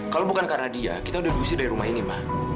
kalau bukan karena dia kita udah duit sih dari rumah ini ma